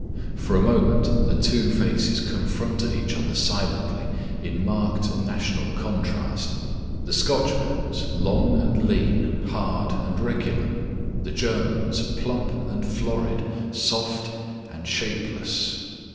For a moment the two faces confronted each other silently, in marked national contrast the Scotchman's, long and lean, hard and regular; the German's, plump and florid, soft and shapeless.